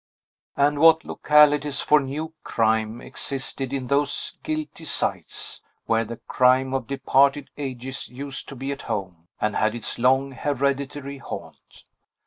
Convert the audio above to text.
And what localities for new crime existed in those guilty sites, where the crime of departed ages used to be at home, and had its long, hereditary haunt!